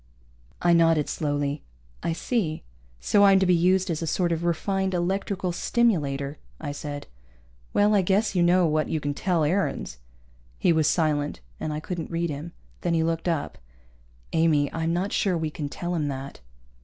I nodded slowly. "I see. So I'm to be used as a sort of refined electrical stimulator," I said. "Well, I guess you know what you can tell Aarons." He was silent, and I couldn't read him. Then he looked up. "Amy, I'm not sure we can tell him that."